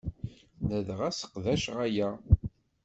Ladɣa sseqdaceɣ aya.